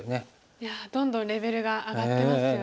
いやどんどんレベルが上がってますよね。